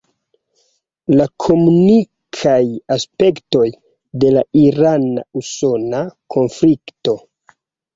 La komunikaj aspektoj de la irana-usona konflikto.